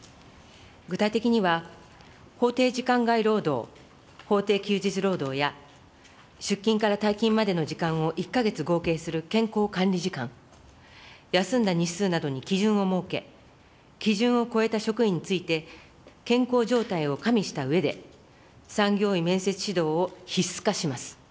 具体的には、法定時間外労働・法定休日労働や、出勤から退勤までの時間を１か月合計する健康管理時間、休んだ日数などに基準を設け、基準を超えた職員について、健康状態を加味したうえで、産業医面接指導を必須化します。